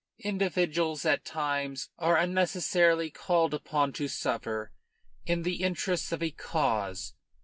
Individuals at times are unnecessarily called upon to suffer in the interests of a cause.